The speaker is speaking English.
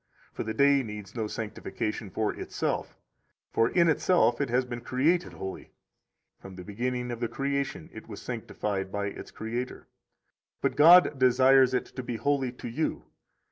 For the day needs no sanctification for itself; for in itself it has been created holy [from the beginning of the creation it was sanctified by its Creator]. But God desires it to be holy to you.